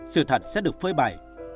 sự thật sẽ được phơi bày